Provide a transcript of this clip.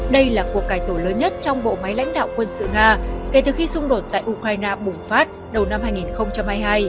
đây là cuộc cải tổ lớn nhất trong bộ máy lãnh đạo quân sự nga kể từ khi xung đột tại ukraine bùng phát đầu năm hai nghìn hai mươi hai